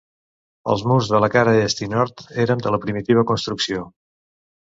Els murs de la cara est i nord, eren de la primitiva construcció.